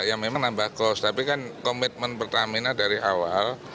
ya memang nambah kos tapi kan komitmen pertamina dari awal